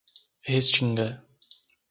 Restinga